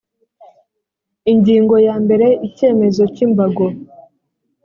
ingingo ya mbere icyemezo cy imbago